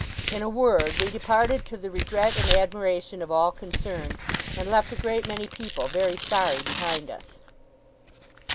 In a word, we departed to the regret and admiration of all concerned, and left a great many people very sorry behind US.